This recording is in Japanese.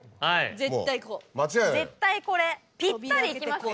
絶対これぴったりいきますよ。